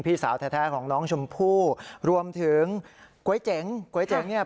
พี่สาวแท้ของน้องชมพู่รวมถึงก๋วยเจ๋งก๋วยเจ๋งเนี่ย